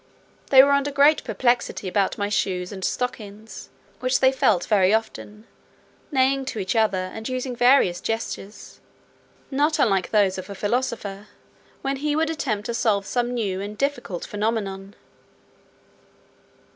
They were under great perplexity about my shoes and stockings, which they felt very often, neighing to each other, and using various gestures, not unlike those of a philosopher, when he would attempt to solve some new and difficult phenomenon.